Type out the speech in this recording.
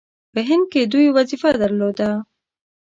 په هند کې دوی وظیفه درلوده.